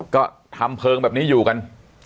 ก็ทำเพลิงแบบนี้อยู่กัน